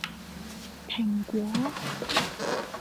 蘋果